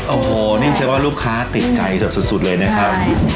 โอ้โหนี่คือว่ารูปค้าติดใจสุดเลยนะครับ